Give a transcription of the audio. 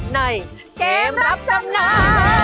ในเกมรับจำนำ